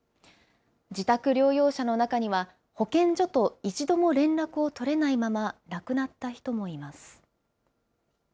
自宅療養者の中には、保健所と一度も連絡を取れないまま、亡くなった人もいます。